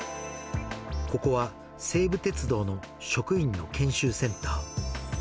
ここは西武鉄道の職員の研修センター。